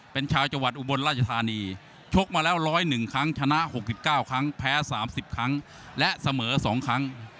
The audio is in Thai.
เป็นชาวจังหวัดอุบลราชธานีชกมาแล้ว๑๐๑ครั้งชนะ๖๙ครั้งแพ้๓๐ครั้งและเสมอ๒ครั้ง